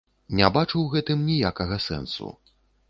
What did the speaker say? Не бачу ў гэтым ніякага сэнсу.